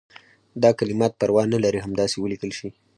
دا کلمات پروا نه لري همداسې ولیکل شي.